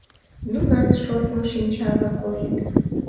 Нунат шортмо шинчала койыт.